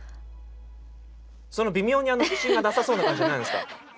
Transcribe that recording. その微妙に自信がなさそうな感じ何ですか？